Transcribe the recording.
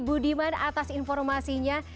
budiman atas informasinya